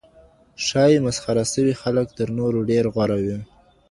ښايي مسخره سوي خلګ تر نورو ډير غوره وي.